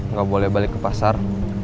nggak boleh balik ke pasar